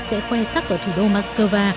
sẽ khoe sắc vào thủ đô moscow